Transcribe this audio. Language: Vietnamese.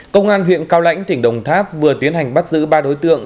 công an huyện cao lãnh tỉnh đồng tháp vừa tiến hành bắt giữ ba đối tượng